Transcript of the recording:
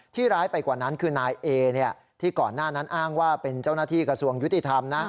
ร้ายไปกว่านั้นคือนายเอที่ก่อนหน้านั้นอ้างว่าเป็นเจ้าหน้าที่กระทรวงยุติธรรมนะ